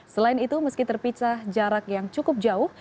selain itu meski terpisah jarak yang cukup jauh